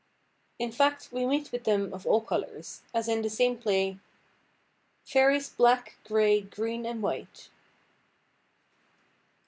In fact we meet with them of all colours; as in the same play— "Fairies black, grey, green, and white."